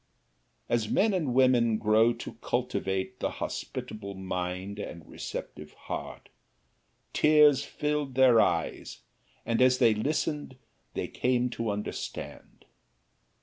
As men and women grew to cultivate the hospitable mind and receptive heart, tears filled their eyes and as they listened they came to understand.